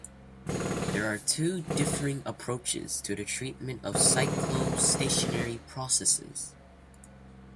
There are two differing approaches to the treatment of cyclostationary processes.